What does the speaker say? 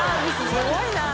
すごいな。